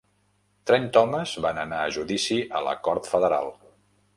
Trenta homes van anar a judici a la cort federal.